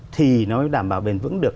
thì nó đảm bảo bền vững được